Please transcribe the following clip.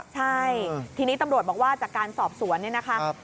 ใช่ทีนี้ตำรวจบอกว่าจากการสอบสวน